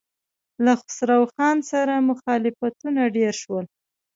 له خسرو خان سره مخالفتونه ډېر شول.